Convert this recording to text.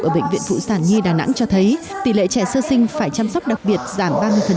ở bệnh viện phụ sản nhi đà nẵng cho thấy tỷ lệ trẻ sơ sinh phải chăm sóc đặc biệt giảm ba mươi